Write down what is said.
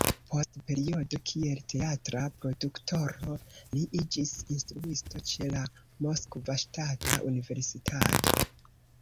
Post periodo kiel teatra produktoro, li iĝis instruisto ĉe la Moskva Ŝtata Universitato.